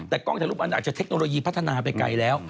แต่กล้องถ่ายรูปอันอาจจะเทคโนโลยีพัฒนาไปไกลแล้ว